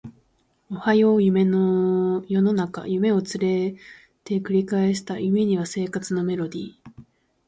おはよう世の中夢を連れて繰り返した夢には生活のメロディ